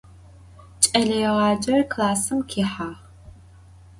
Ç'eleêğacer klassım khihağ.